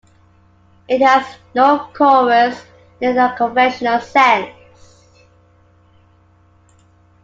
It has no chorus in the conventional sense.